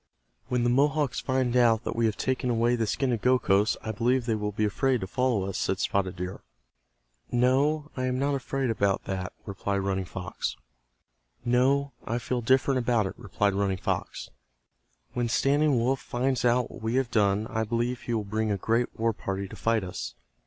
"When the Mohawks find out that we have taken away the skin of Gokhos I believe they will be afraid to follow us," said Spotted Deer. "No, I feel different about it," replied Running Fox. "When Standing Wolf finds out what we have done I believe he will bring a great war party to fight us.